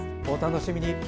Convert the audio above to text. お楽しみに。